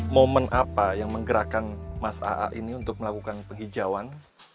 momen apa yang menggerakkan mas aa ini untuk melakukan penghijauan